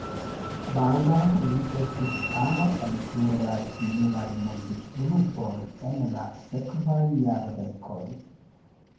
Baldaŭ li estis ano en pluraj similaj muzikgrupoj en la sekvaj jardekoj.